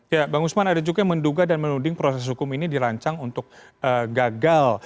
ya bang usman ada juga yang menduga dan menuding proses hukum ini dirancang untuk gagal